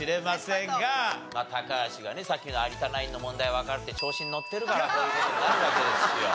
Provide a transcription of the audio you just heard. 高橋がねさっきの有田ナインの問題わかるって調子に乗ってるからこういう事になるわけですよ。